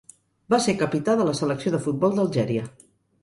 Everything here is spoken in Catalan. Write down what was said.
Va ser capità de la selecció de futbol d'Algèria.